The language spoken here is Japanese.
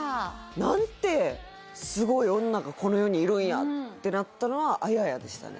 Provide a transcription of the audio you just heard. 何てすごい女がこの世にいるんやってなったのはあややでしたね